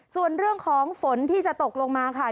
ส่วนเรื่องของฝนที่จะตกลงมาค่ะ